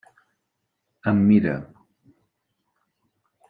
Em mira.